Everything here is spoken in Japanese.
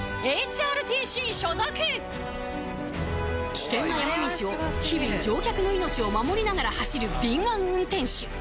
危険な山道を日々乗客の命を守りながら走る敏腕運転手